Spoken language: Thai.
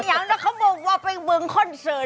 อย่างน้ะเค้าบอกว่าเป็นเบิงคอนเสิร์ท